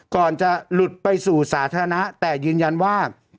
ก่อนจะหลุดไปสู่สาธารณะแต่ยืนยันว่า